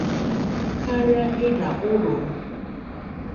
karịa ịdà ụrụhụ